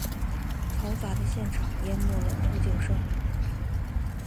嘈杂的现场淹没了呼救声。